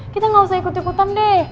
kita gak usah ikut ikutan deh